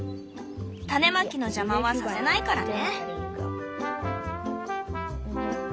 種まきの邪魔はさせないからね。